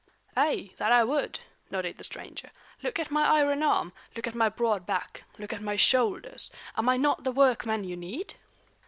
"Ay, that I would," nodded the stranger. "Look at my iron arm; look at my broad back; look at my shoulders. Am I not the workman you need?"